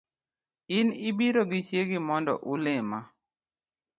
In ibiro gi chiegi mondo ulima